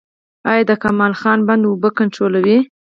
آیا د کمال خان بند اوبه کنټرولوي؟